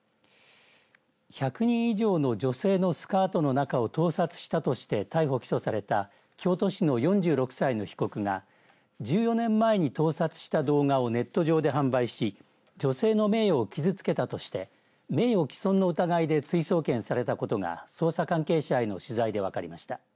１００人以上の女性のスカートの中を盗撮したとして逮捕、起訴された京都市の４６歳の被告が１４年前に盗撮した動画をネット上で販売し女性の名誉を傷つけたとして名誉毀損の疑いで追送検されたことが捜査関係者への取材で分かりました。